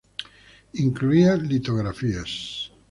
Incluía litografías.